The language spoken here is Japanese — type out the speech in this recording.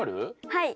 はい。